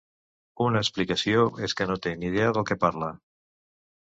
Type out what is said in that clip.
Una explicació és que no té ni idea del què parla.